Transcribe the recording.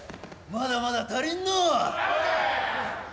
まだまだ足りんのう！